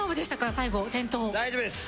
最後転倒大丈夫です